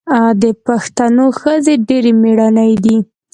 د پښتنو ښځې ډیرې میړنۍ دي.